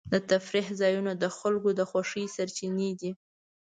د تفریح ځایونه د خلکو د خوښۍ سرچینې دي.